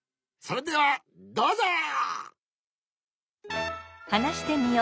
それではどうぞ！